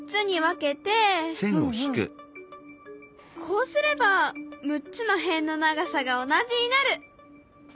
こうすれば６つの辺の長さが同じになる。